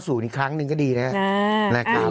อีกครั้งหนึ่งก็ดีนะครับ